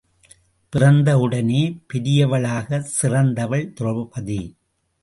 பிறந்தவுடனே பெரிவளாகச் சிறந்தவள் Draupadi.